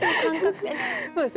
そうですね。